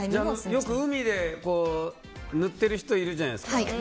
よく海で塗ってる人いるじゃないですか。